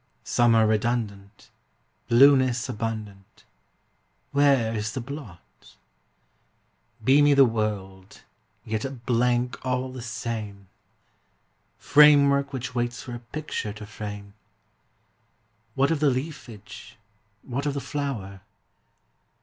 Summer redundant, Blueness abundant, Where is the blot? Beamy the world, yet a blank all the same, Framework which waits for a picture to frame: What of the leafage, what of the flower?